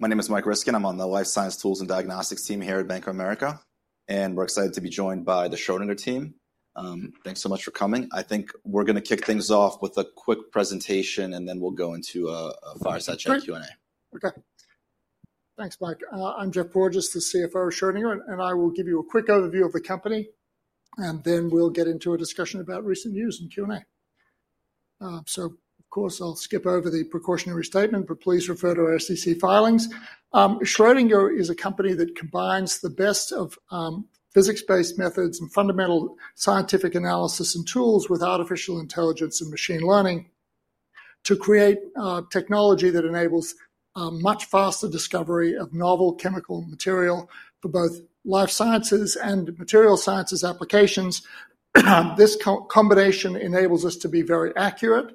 My name is Mike Riskin. I'm on the Life Science Tools and Diagnostics team here at Bank of America, and we're excited to be joined by the Schrödinger team. Thanks so much for coming. I think we're going to kick things off with a quick presentation, and then we'll go into a fireside chat Q&A. Okay. Thanks, Mike. I'm Geoff Porges, the CFO of Schrödinger, and I will give you a quick overview of the company, and then we'll get into a discussion about recent news and Q&A. Of course, I'll skip over the precautionary statement, but please refer to our SEC filings. Schrödinger is a company that combines the best of physics-based methods and fundamental scientific analysis and tools with artificial intelligence and machine learning to create technology that enables much faster discovery of novel chemical material for both life sciences and material sciences applications. This combination enables us to be very accurate,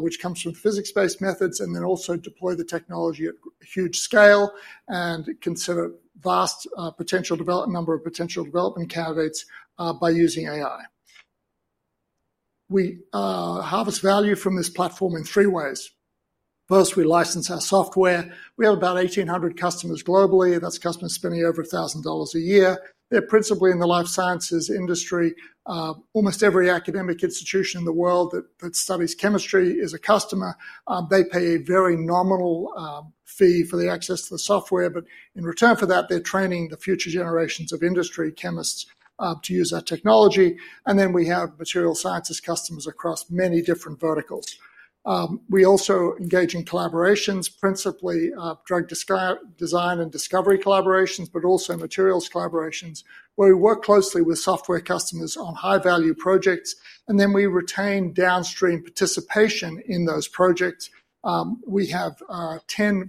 which comes from physics-based methods, and then also deploy the technology at huge scale and consider a vast number of potential development candidates by using AI. We harvest value from this platform in three ways. First, we license our software. We have about 1,800 customers globally. That's customers spending over $1,000 a year. They're principally in the life sciences industry. Almost every academic institution in the world that studies chemistry is a customer. They pay a very nominal fee for the access to the software, but in return for that, they're training the future generations of industry chemists to use our technology. We have material sciences customers across many different verticals. We also engage in collaborations, principally drug design and discovery collaborations, but also materials collaborations, where we work closely with software customers on high-value projects, and we retain downstream participation in those projects. We have 10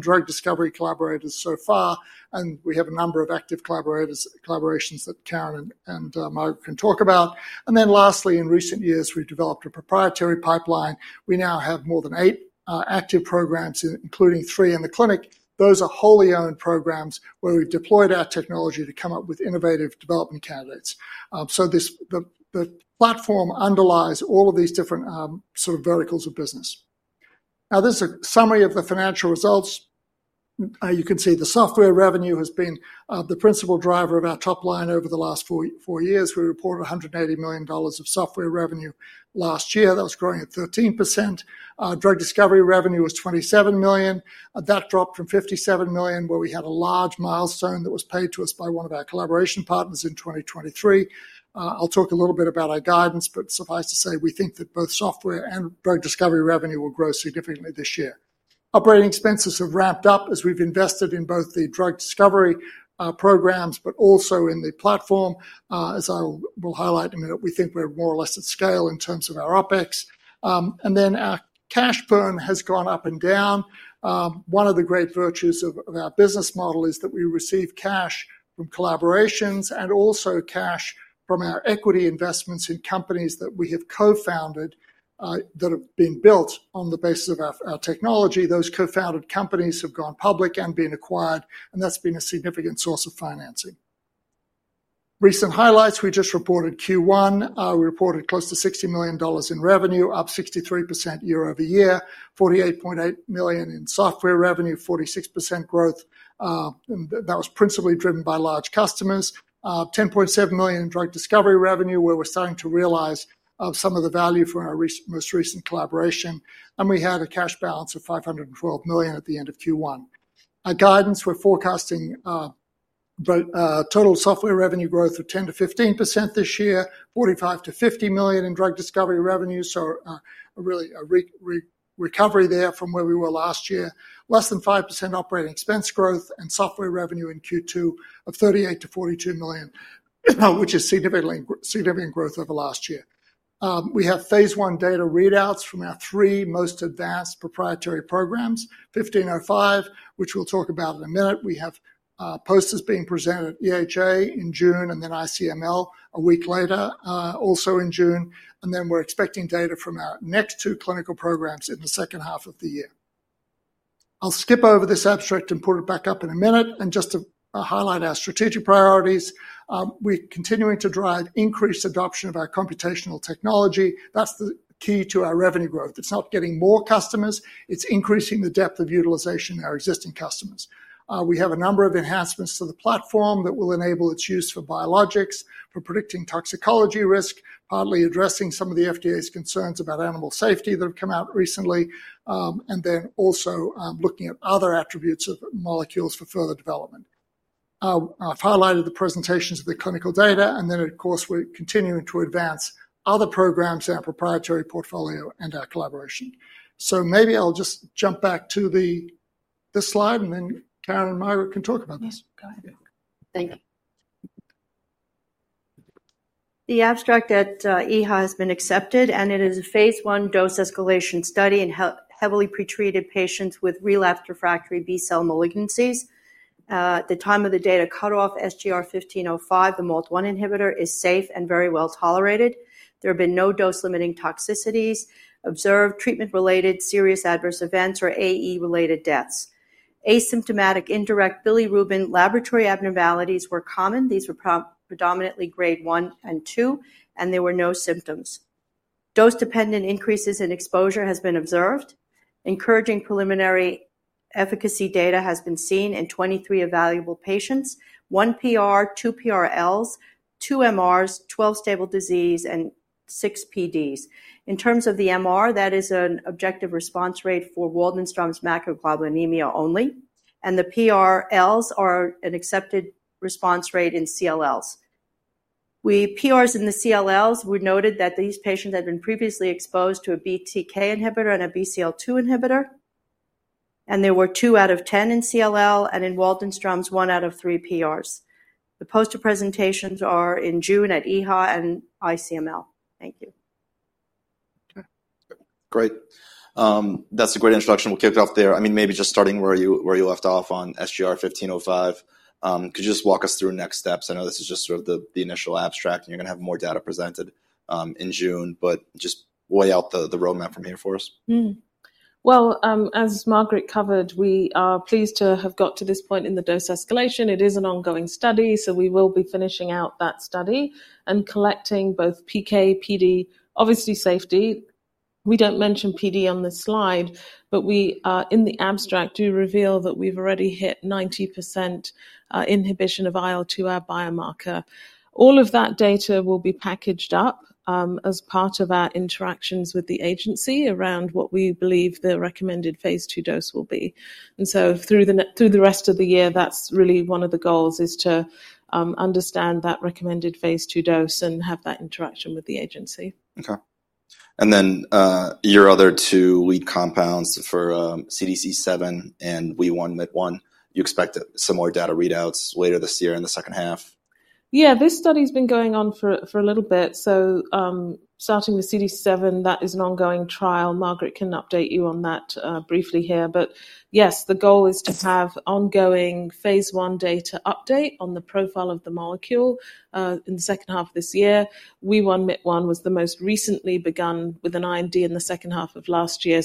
drug discovery collaborators so far, and we have a number of active collaborations that Karen and Margaret can talk about. Lastly, in recent years, we've developed a proprietary pipeline. We now have more than eight active programs, including three in the clinic. Those are wholly owned programs where we've deployed our technology to come up with innovative development candidates. The platform underlies all of these different sort of verticals of business. This is a summary of the financial results. You can see the software revenue has been the principal driver of our top line over the last four years. We reported $180 million of software revenue last year. That was growing at 13%. Drug discovery revenue was $27 million. That dropped from $57 million, where we had a large milestone that was paid to us by one of our collaboration partners in 2023. I'll talk a little bit about our guidance, but suffice to say, we think that both software and drug discovery revenue will grow significantly this year. Operating expenses have ramped up as we've invested in both the drug discovery programs, but also in the platform. As I will highlight in a minute, we think we're more or less at scale in terms of our OpEx. Our cash burn has gone up and down. One of the great virtues of our business model is that we receive cash from collaborations and also cash from our equity investments in companies that we have co-founded that have been built on the basis of our technology. Those co-founded companies have gone public and been acquired, and that's been a significant source of financing. Recent highlights, we just reported Q1. We reported close to $60 million in revenue, up 63% year over year, $48.8 million in software revenue, 46% growth. That was principally driven by large customers, $10.7 million in drug discovery revenue, where we're starting to realize some of the value from our most recent collaboration. We had a cash balance of $512 million at the end of Q1. Our guidance, we're forecasting total software revenue growth of 10%-15% this year, $45 million-$50 million in drug discovery revenue. Really a recovery there from where we were last year. Less than 5% operating expense growth and software revenue in Q2 of $38 million-$42 million, which is significant growth over last year. We have phase I data readouts from our three most advanced proprietary programs, 1505, which we'll talk about in a minute. We have posters being presented at EHA in June and then ICML a week later, also in June. We're expecting data from our next two clinical programs in the second half of the year. I'll skip over this abstract and put it back up in a minute. Just to highlight our strategic priorities, we're continuing to drive increased adoption of our computational technology. That's the key to our revenue growth. It's not getting more customers. It's increasing the depth of utilization of our existing customers. We have a number of enhancements to the platform that will enable its use for biologics, for predicting toxicology risk, partly addressing some of the FDA's concerns about animal safety that have come out recently, and then also looking at other attributes of molecules for further development. I've highlighted the presentations of the clinical data, and of course, we're continuing to advance other programs in our proprietary portfolio and our collaboration. Maybe I'll just jump back to this slide, and then Karen and Margaret can talk about this. Yes, go ahead. Thank you. The abstract at EHA has been accepted, and it is a phase I dose escalation study in heavily pretreated patients with relapsed refractory B-cell malignancies. At the time of the data cutoff, SGR-1505, the MALT1 inhibitor, is safe and very well tolerated. There have been no dose-limiting toxicities observed, treatment-related serious adverse events, or AE-related deaths. Asymptomatic indirect bilirubin laboratory abnormalities were common. These were predominantly grade one and two, and there were no symptoms. Dose-dependent increases in exposure have been observed. Encouraging preliminary efficacy data has been seen in 23 evaluable patients, one PR, two PRLs, two MRs, 12 stable disease, and six PDs. In terms of the MR, that is an objective response rate for Waldenström's macroglobulinemia only, and the PRLs are an accepted response rate in CLLs. PRs in the CLLs, we noted that these patients had been previously exposed to a BTK inhibitor and a BCL2 inhibitor, and there were two out of 10 in CLL and in Waldenström's, one out of three PRs. The poster presentations are in June at EHA and ICML. Thank you. Great. That's a great introduction. We'll kick it off there. I mean, maybe just starting where you left off on SGR-1505, could you just walk us through next steps? I know this is just sort of the initial abstract, and you're going to have more data presented in June, but just lay out the roadmap from here for us. As Margaret covered, we are pleased to have got to this point in the dose escalation. It is an ongoing study, so we will be finishing out that study and collecting both PK, PD, obviously safety. We do not mention PD on this slide, but we in the abstract do reveal that we have already hit 90% inhibition of IL-2, our biomarker. All of that data will be packaged up as part of our interactions with the agency around what we believe the recommended phase II dose will be. Through the rest of the year, that is really one of the goals, to understand that recommended phase II dose and have that interaction with the agency. Okay. And then your other two lead compounds for CDC7 and WEE1, MYT1, you expect similar data readouts later this year in the second half? Yeah, this study has been going on for a little bit. Starting with CDC7, that is an ongoing trial. Margaret can update you on that briefly here. Yes, the goal is to have ongoing phase I data update on the profile of the molecule in the second half of this year. WEE1/MYT1 was the most recently begun with an IND in the second half of last year.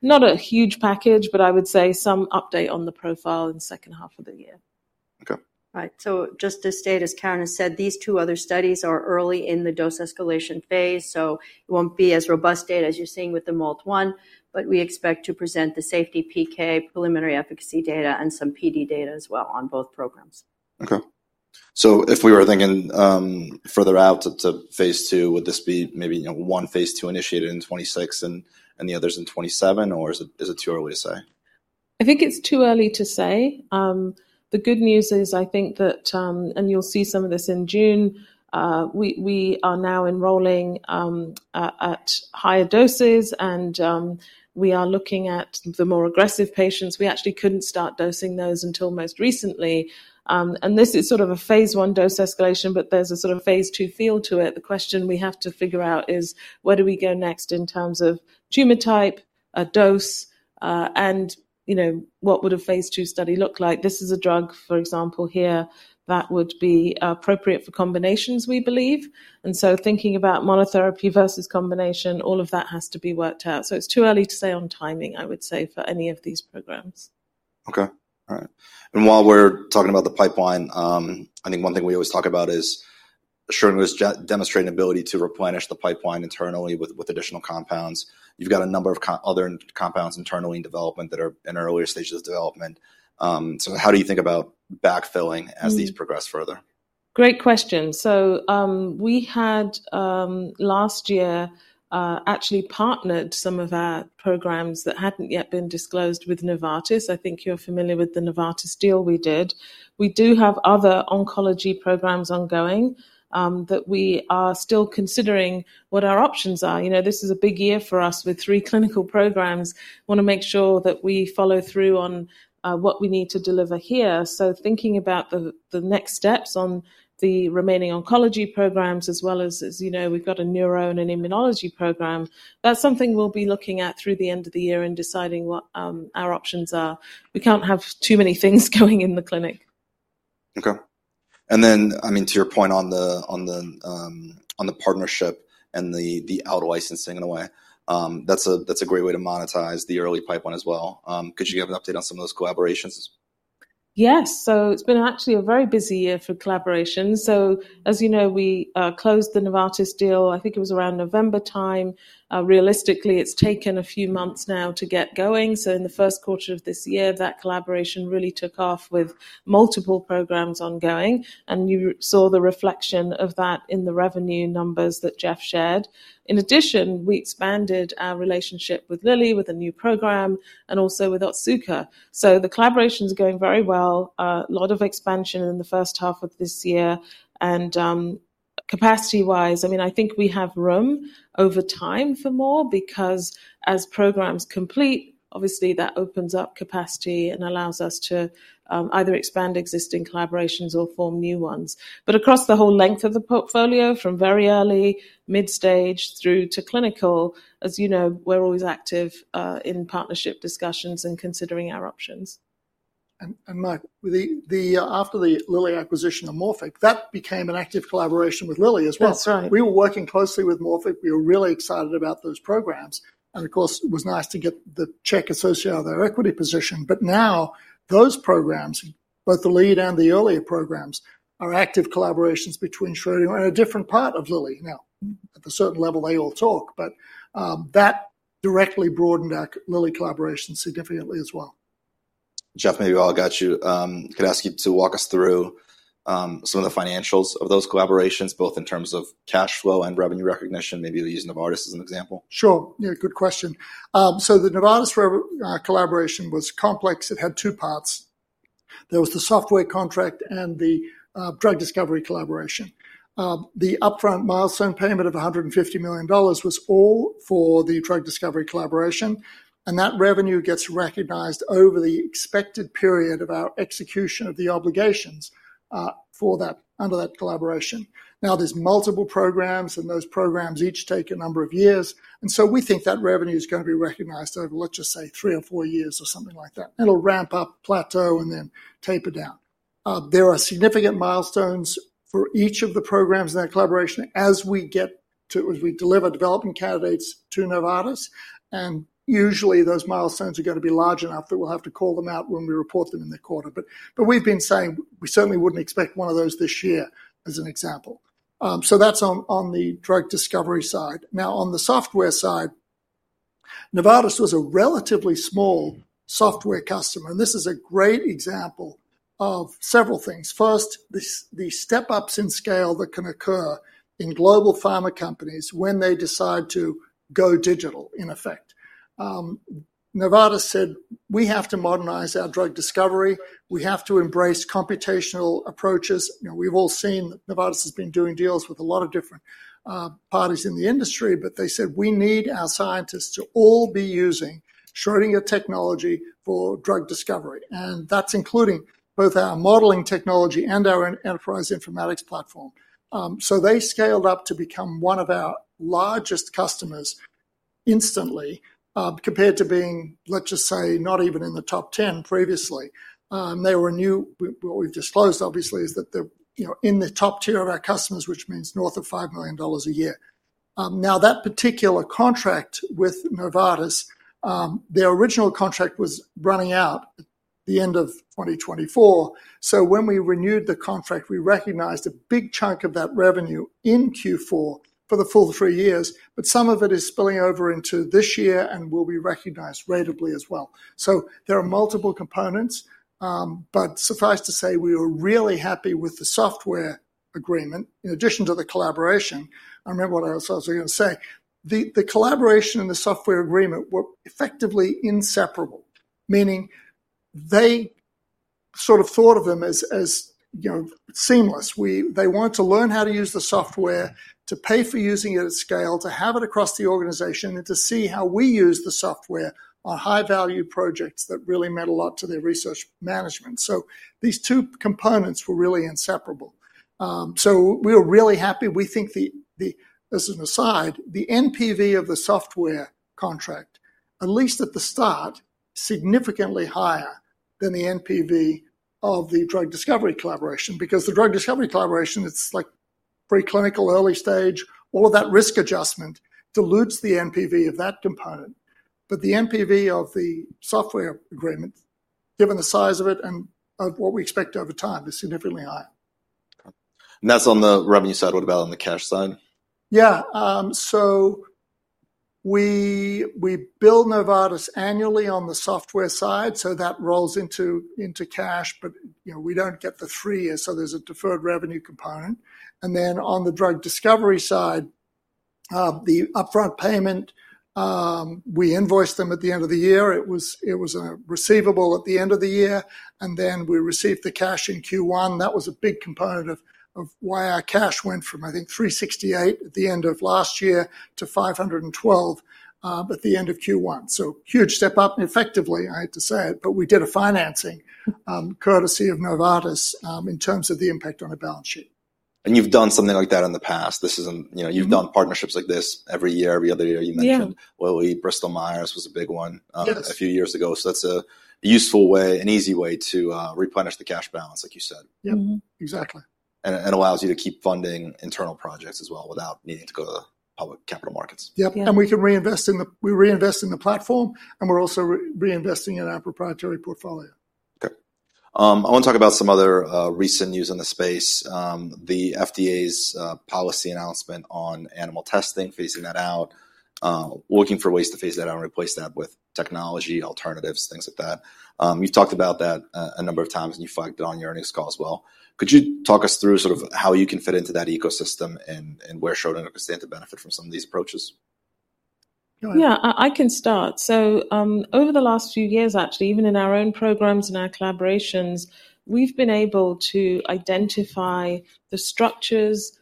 Not a huge package, but I would say some update on the profile in the second half of the year. Okay. Right. So just to state, as Karen has said, these two other studies are early in the dose escalation phase, so it won't be as robust data as you're seeing with the MALT1, but we expect to present the safety PK, preliminary efficacy data, and some PD data as well on both programs. Okay. If we were thinking further out to phase II, would this be maybe one phase II initiated in 2026 and the others in 2027, or is it too early to say? I think it's too early to say. The good news is, I think that, and you'll see some of this in June, we are now enrolling at higher doses, and we are looking at the more aggressive patients. We actually couldn't start dosing those until most recently. This is sort of a phase I dose escalation, but there's a sort of phase II feel to it. The question we have to figure out is, where do we go next in terms of tumor type, dose, and what would a phase II study look like? This is a drug, for example, here that would be appropriate for combinations, we believe. Thinking about monotherapy versus combination, all of that has to be worked out. It's too early to say on timing, I would say, for any of these programs. Okay. All right. While we're talking about the pipeline, I think one thing we always talk about is Schrödinger's demonstrating ability to replenish the pipeline internally with additional compounds. You've got a number of other compounds internally in development that are in earlier stages of development. How do you think about backfilling as these progress further? Great question. We had last year actually partnered some of our programs that had not yet been disclosed with Novartis. I think you are familiar with the Novartis deal we did. We do have other oncology programs ongoing that we are still considering what our options are. You know, this is a big year for us with three clinical programs. We want to make sure that we follow through on what we need to deliver here. Thinking about the next steps on the remaining oncology programs, as well as, as you know, we have got a neuro and an immunology program, that is something we will be looking at through the end of the year in deciding what our options are. We cannot have too many things going in the clinic. Okay. I mean, to your point on the partnership and the out-licensing in a way, that's a great way to monetize the early pipeline as well. Could you give an update on some of those collaborations? Yes. So it's been actually a very busy year for collaboration. As you know, we closed the Novartis deal, I think it was around November time. Realistically, it's taken a few months now to get going. In the first quarter of this year, that collaboration really took off with multiple programs ongoing. You saw the reflection of that in the revenue numbers that Geoff shared. In addition, we expanded our relationship with Lilly with a new program and also with Otsuka. The collaboration is going very well. A lot of expansion in the first half of this year. Capacity-wise, I mean, I think we have room over time for more because as programs complete, obviously that opens up capacity and allows us to either expand existing collaborations or form new ones. Across the whole length of the portfolio, from very early, mid-stage through to clinical, as you know, we're always active in partnership discussions and considering our options. Mike, after the Lilly acquisition of Morphic, that became an active collaboration with Lilly as well. That's right. We were working closely with Morphic. We were really excited about those programs. Of course, it was nice to get the check associated with our equity position. Now those programs, both the lead and the earlier programs, are active collaborations between Schrödinger and a different part of Lilly. At a certain level, they all talk, but that directly broadened our Lilly collaboration significantly as well. Geoff, maybe we all got you. Could ask you to walk us through some of the financials of those collaborations, both in terms of cash flow and revenue recognition, maybe using Novartis as an example? Sure. Yeah, good question. The Novartis collaboration was complex. It had two parts. There was the software contract and the drug discovery collaboration. The upfront milestone payment of $150 million was all for the drug discovery collaboration. That revenue gets recognized over the expected period of our execution of the obligations under that collaboration. Now, there are multiple programs, and those programs each take a number of years. We think that revenue is going to be recognized over, let's just say, three or four years or something like that. It'll ramp up, plateau, and then taper down. There are significant milestones for each of the programs in that collaboration as we deliver development candidates to Novartis. Usually, those milestones are going to be large enough that we'll have to call them out when we report them in the quarter. We have been saying we certainly would not expect one of those this year, as an example. That is on the drug discovery side. Now, on the software side, Novartis was a relatively small software customer. This is a great example of several things. First, the step-ups in scale that can occur in global pharma companies when they decide to go digital, in effect. Novartis said, "We have to modernize our drug discovery. We have to embrace computational approaches." We have all seen Novartis has been doing deals with a lot of different parties in the industry, but they said, "We need our scientists to all be using Schrödinger technology for drug discovery." That is including both our modeling technology and our Enterprise Informatics Platform. They scaled up to become one of our largest customers instantly compared to being, let us just say, not even in the top 10 previously. They were new. What we've disclosed, obviously, is that they're in the top tier of our customers, which means north of $5 million a year. Now, that particular contract with Novartis, their original contract was running out at the end of 2024. When we renewed the contract, we recognized a big chunk of that revenue in Q4 for the full three years, but some of it is spilling over into this year and will be recognized ratably as well. There are multiple components, but suffice to say, we were really happy with the software agreement in addition to the collaboration. I remember what I was also going to say. The collaboration and the software agreement were effectively inseparable, meaning they sort of thought of them as seamless. They wanted to learn how to use the software, to pay for using it at scale, to have it across the organization, and to see how we use the software on high-value projects that really meant a lot to their research management. These two components were really inseparable. We were really happy. We think, as an aside, the NPV of the software contract, at least at the start, is significantly higher than the NPV of the drug discovery collaboration because the drug discovery collaboration, it's like preclinical, early stage. All of that risk adjustment dilutes the NPV of that component. The NPV of the software agreement, given the size of it and of what we expect over time, is significantly higher. That's on the revenue side. What about on the cash side? Yeah. We build Novartis annually on the software side, so that rolls into cash, but we do not get the three years, so there is a deferred revenue component. On the drug discovery side, the upfront payment, we invoiced them at the end of the year. It was a receivable at the end of the year, and then we received the cash in Q1. That was a big component of why our cash went from, I think, $368 million at the end of last year to $512 million at the end of Q1. Huge step up, effectively, I hate to say it, but we did a financing courtesy of Novartis in terms of the impact on a balance sheet. You have done something like that in the past. You have done partnerships like this every year, every other year, you mentioned. Bristol Myers was a big one a few years ago. That is a useful way, an easy way to replenish the cash balance, like you said. Yep. Exactly. It allows you to keep funding internal projects as well without needing to go to public capital markets. Yep. We can reinvest in the platform, and we're also reinvesting in our proprietary portfolio. Okay. I want to talk about some other recent news in the space. The FDA's policy announcement on animal testing, phasing that out, looking for ways to phase that out and replace that with technology, alternatives, things like that. You've talked about that a number of times, and you flagged it on your earnings call as well. Could you talk us through sort of how you can fit into that ecosystem and where Schrödinger can stand to benefit from some of these approaches? Yeah, I can start. Over the last few years, actually, even in our own programs and our collaborations, we've been able to identify the structures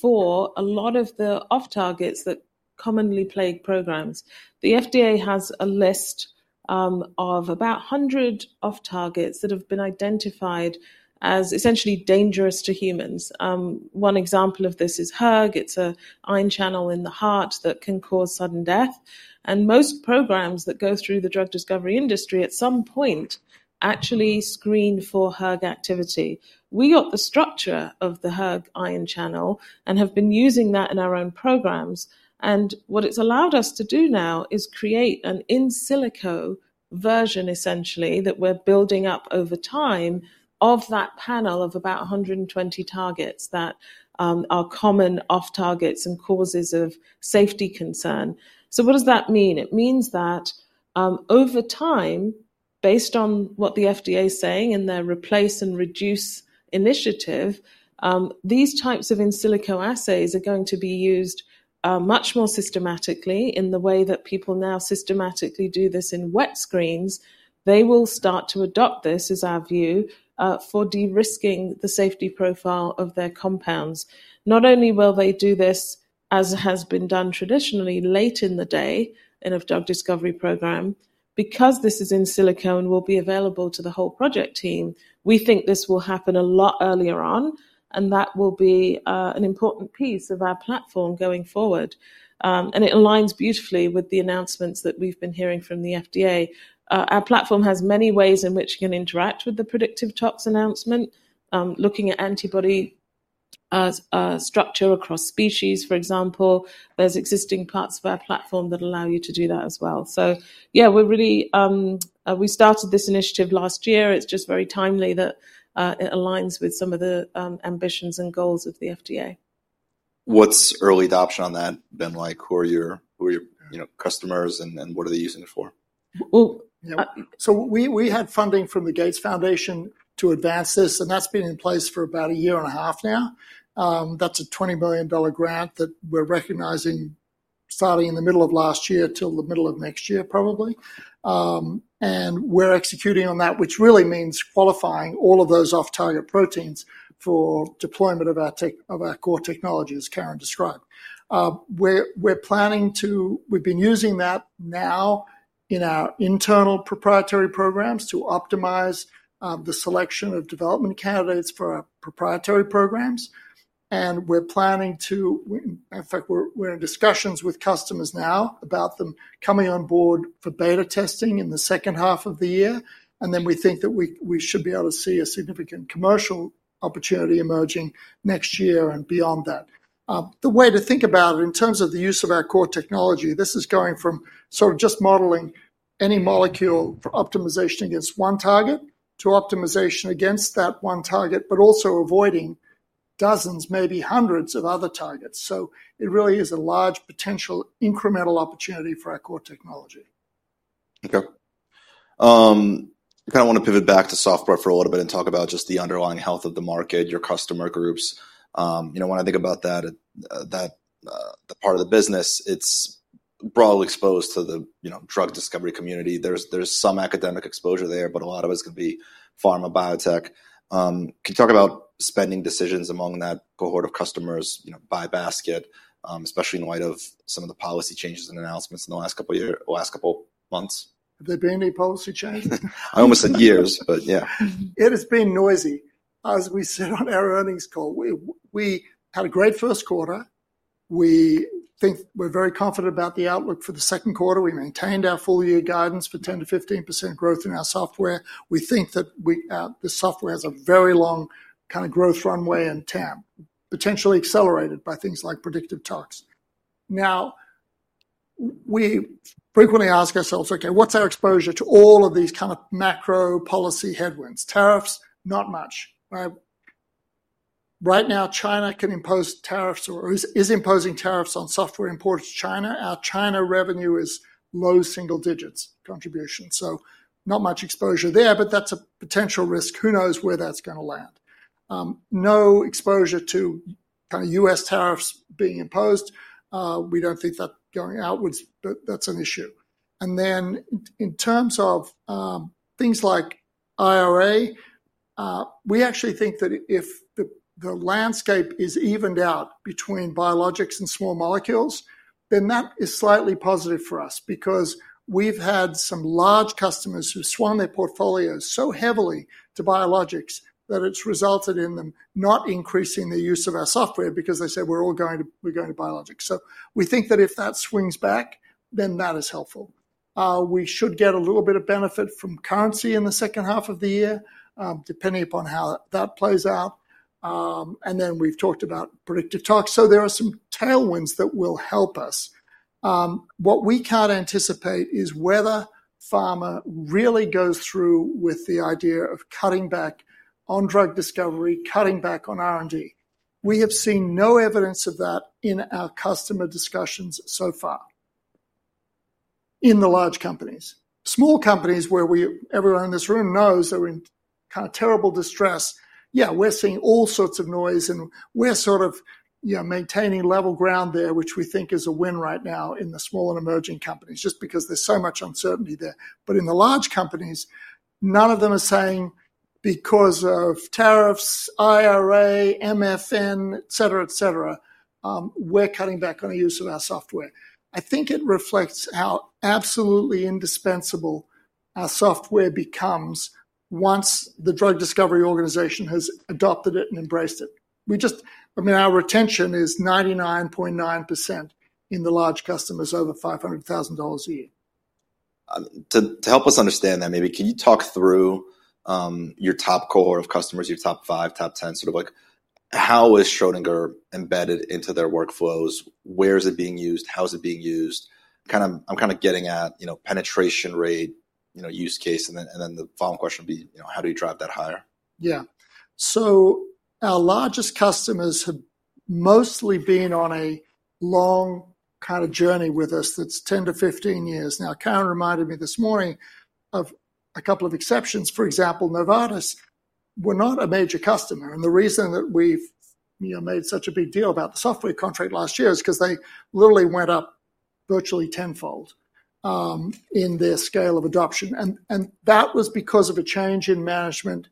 for a lot of the off-targets that commonly plague programs. The FDA has a list of about 100 off-targets that have been identified as essentially dangerous to humans. One example of this is hERG. It's an ion channel in the heart that can cause sudden death. Most programs that go through the drug discovery industry at some point actually screen for hERG activity. We got the structure of the hERG ion channel and have been using that in our own programs. What it's allowed us to do now is create an in silico version, essentially, that we're building up over time of that panel of about 120 targets that are common off-targets and causes of safety concern. What does that mean? It means that over time, based on what the FDA is saying in their replace and reduce initiative, these types of in silico assays are going to be used much more systematically in the way that people now systematically do this in wet screens. They will start to adopt this, is our view, for de-risking the safety profile of their compounds. Not only will they do this as has been done traditionally late in the day in a drug discovery program, because this is in silico and will be available to the whole project team, we think this will happen a lot earlier on, and that will be an important piece of our platform going forward. It aligns beautifully with the announcements that we've been hearing from the FDA. Our platform has many ways in which you can interact with the predictive tox announcement, looking at antibody structure across species, for example. There are existing parts of our platform that allow you to do that as well. Yeah, we started this initiative last year. It's just very timely that it aligns with some of the ambitions and goals of the FDA. What's early adoption on that been like? Who are your customers, and what are they using it for? We had funding from the Gates Foundation to advance this, and that's been in place for about a year and a half now. That's a $20 million grant that we're recognizing starting in the middle of last year till the middle of next year, probably. We're executing on that, which really means qualifying all of those off-target proteins for deployment of our core technology, as Karen described. We're planning to, we've been using that now in our internal proprietary programs to optimize the selection of development candidates for our proprietary programs. We're planning to, in fact, we're in discussions with customers now about them coming on board for beta testing in the second half of the year. We think that we should be able to see a significant commercial opportunity emerging next year and beyond that. The way to think about it in terms of the use of our core technology, this is going from sort of just modeling any molecule for optimization against one target to optimization against that one target, but also avoiding dozens, maybe hundreds of other targets. It really is a large potential incremental opportunity for our core technology. Okay. I kind of want to pivot back to software for a little bit and talk about just the underlying health of the market, your customer groups. When I think about that, the part of the business, it's broadly exposed to the drug discovery community. There's some academic exposure there, but a lot of it's going to be pharma biotech. Can you talk about spending decisions among that cohort of customers by basket, especially in light of some of the policy changes and announcements in the last couple of months? Have there been any policy changes? I almost said years, but yeah. It has been noisy. As we said on our earnings call, we had a great first quarter. We think we're very confident about the outlook for the second quarter. We maintained our full-year guidance for 10-15% growth in our software. We think that the software has a very long kind of growth runway and potentially accelerated by things like predictive tox. Now, we frequently ask ourselves, okay, what's our exposure to all of these kind of macro policy headwinds? Tariffs, not much. Right now, China can impose tariffs or is imposing tariffs on software imports to China. Our China revenue is low single digits. Contribution. So not much exposure there, but that's a potential risk. Who knows where that's going to land? No exposure to kind of U.S. tariffs being imposed. We don't think that's going outwards, but that's an issue. In terms of things like IRA, we actually think that if the landscape is evened out between biologics and small molecules, that is slightly positive for us because we have had some large customers who swung their portfolios so heavily to biologics that it has resulted in them not increasing the use of our software because they said, "We are going to biologics." We think that if that swings back, that is helpful. We should get a little bit of benefit from currency in the second half of the year, depending upon how that plays out. We have talked about predictive tox. There are some tailwinds that will help us. What we cannot anticipate is whether pharma really goes through with the idea of cutting back on drug discovery, cutting back on R&D. We have seen no evidence of that in our customer discussions so far in the large companies. Small companies, where everyone in this room knows they're in kind of terrible distress, yeah, we're seeing all sorts of noise, and we're sort of maintaining level ground there, which we think is a win right now in the small and emerging companies just because there's so much uncertainty there. In the large companies, none of them are saying, "Because of tariffs, IRA, MFN, etc., etc., we're cutting back on the use of our software." I think it reflects how absolutely indispensable our software becomes once the drug discovery organization has adopted it and embraced it. I mean, our retention is 99.9% in the large customers over $500,000 a year. To help us understand that, maybe can you talk through your top cohort of customers, your top five, top ten, sort of like how is Schrödinger embedded into their workflows? Where is it being used? How is it being used? I'm kind of getting at penetration rate, use case, and then the following question would be, how do you drive that higher? Yeah. So our largest customers have mostly been on a long kind of journey with us that's 10 to 15 years now. Karen reminded me this morning of a couple of exceptions. For example, Novartis were not a major customer. And the reason that we've made such a big deal about the software contract last year is because they literally went up virtually tenfold in their scale of adoption. And that was because of a change in management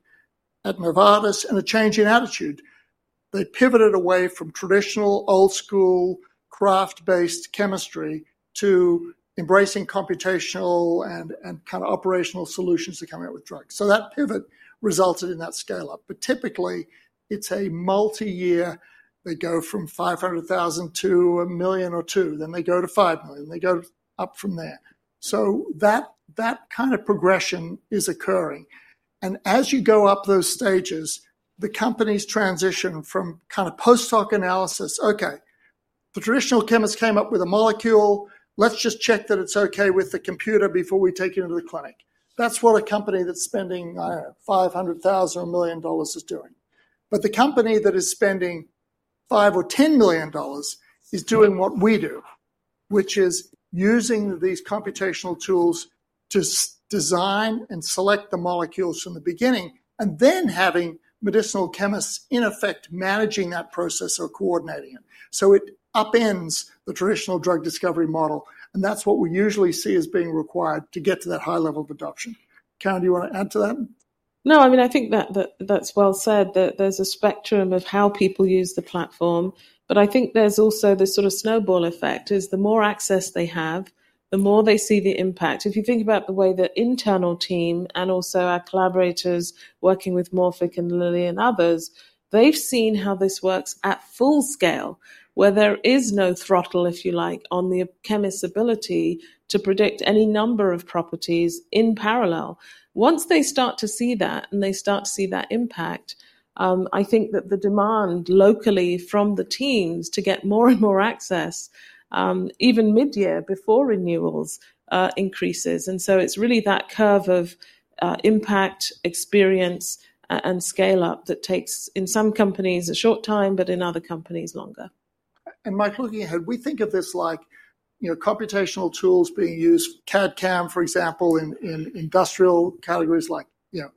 at Novartis and a change in attitude. They pivoted away from traditional old-school craft-based chemistry to embracing computational and kind of operational solutions to come out with drugs. That pivot resulted in that scale-up. Typically, it's a multi-year. They go from $500,000 to $1 million or $2 million. Then they go to $5 million. They go up from there. That kind of progression is occurring. As you go up those stages, the companies transition from kind of post-hoc analysis, "Okay, the traditional chemists came up with a molecule. Let's just check that it's okay with the computer before we take it into the clinic." That's what a company that's spending $500,000 or $1 million is doing. The company that is spending $5 million or $10 million is doing what we do, which is using these computational tools to design and select the molecules from the beginning and then having medicinal chemists, in effect, managing that process or coordinating it. It upends the traditional drug discovery model. That's what we usually see as being required to get to that high level of adoption. Karen, do you want to add to that? No, I mean, I think that's well said that there's a spectrum of how people use the platform. I think there's also this sort of snowball effect as the more access they have, the more they see the impact. If you think about the way the internal team and also our collaborators working with Morphic and Lilly and others, they've seen how this works at full scale, where there is no throttle, if you like, on the chemist's ability to predict any number of properties in parallel. Once they start to see that and they start to see that impact, I think that the demand locally from the teams to get more and more access, even mid-year before renewals, increases. It's really that curve of impact, experience, and scale-up that takes, in some companies, a short time, but in other companies, longer. Michael, we think of this like computational tools being used, CAD/CAM, for example, in industrial categories like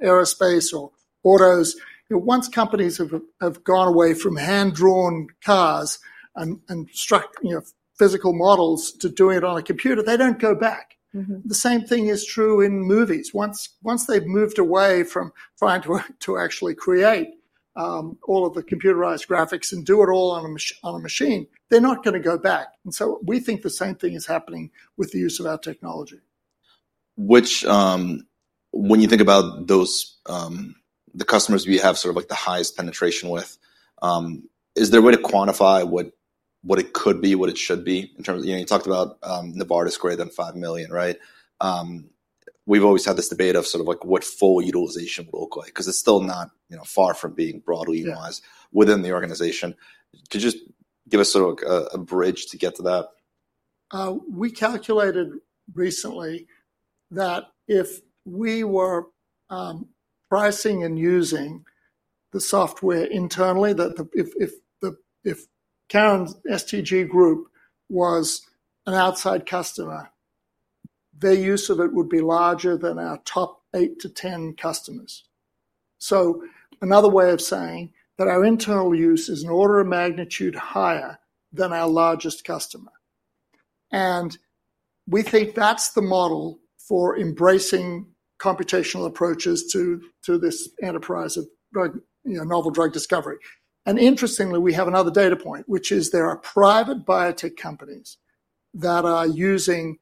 aerospace or autos. Once companies have gone away from hand-drawn cars and physical models to doing it on a computer, they do not go back. The same thing is true in movies. Once they have moved away from trying to actually create all of the computerized graphics and do it all on a machine, they are not going to go back. We think the same thing is happening with the use of our technology. When you think about the customers we have sort of the highest penetration with, is there a way to quantify what it could be, what it should be in terms of, you talked about Novartis greater than $5 million, right? We've always had this debate of sort of what full utilization would look like because it's still not far from being broadly utilized within the organization. Could you just give us sort of a bridge to get to that? We calculated recently that if we were pricing and using the software internally, if Karen's STG Group was an outside customer, their use of it would be larger than our top 8-10 customers. Another way of saying that is our internal use is an order of magnitude higher than our largest customer. We think that's the model for embracing computational approaches to this enterprise of novel drug discovery. Interestingly, we have another data point, which is there are private biotech companies that are using,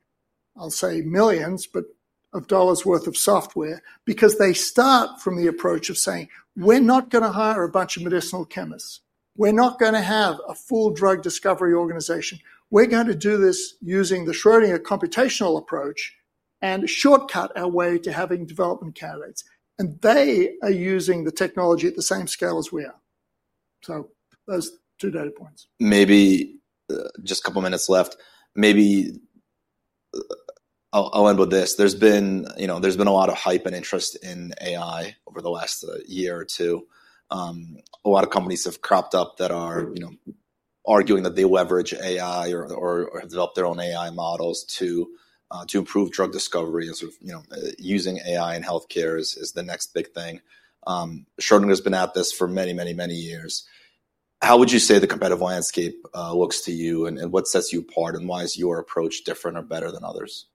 I'll say, millions, but of dollars' worth of software because they start from the approach of saying, "We're not going to hire a bunch of medicinal chemists. We're not going to have a full drug discovery organization. We're going to do this using the Schrödinger computational approach and shortcut our way to having development candidates." They are using the technology at the same scale as we are. Those two data points. Maybe just a couple of minutes left. Maybe I'll end with this. There's been a lot of hype and interest in AI over the last year or two. A lot of companies have cropped up that are arguing that they leverage AI or have developed their own AI models to improve drug discovery and sort of using AI in healthcare is the next big thing. Schrödinger has been at this for many, many, many years. How would you say the competitive landscape looks to you and what sets you apart and why is your approach different or better than others?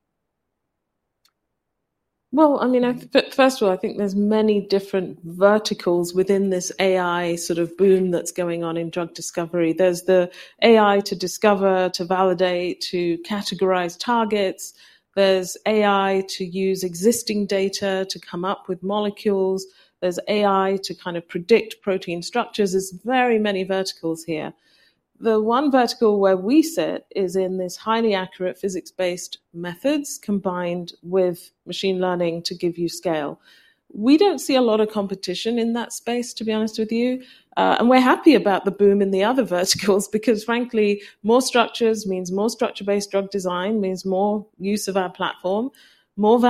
I mean, first of all, I think there's many different verticals within this AI sort of boom that's going on in drug discovery. There's the AI to discover, to validate, to categorize targets. There's AI to use existing data to come up with molecules. There's AI to kind of predict protein structures. There's very many verticals here. The one vertical where we sit is in this highly accurate physics-based methods combined with machine learning to give you scale. We don't see a lot of competition in that space, to be honest with you. We're happy about the boom in the other verticals because, frankly, more structures means more structure-based drug design means more use of our platform, more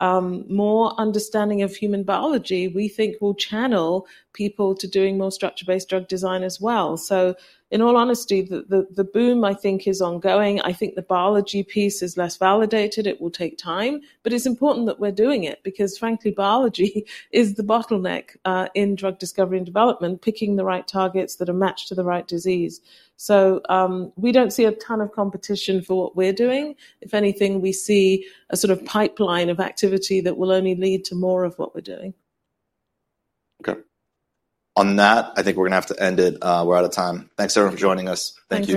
validated targets, more understanding of human biology. We think we'll channel people to doing more structure-based drug design as well. In all honesty, the boom, I think, is ongoing. I think the biology piece is less validated. It will take time, but it's important that we're doing it because, frankly, biology is the bottleneck in drug discovery and development, picking the right targets that are matched to the right disease. We do not see a ton of competition for what we're doing. If anything, we see a sort of pipeline of activity that will only lead to more of what we're doing. Okay. On that, I think we're going to have to end it. We're out of time. Thanks, everyone, for joining us. Thank you.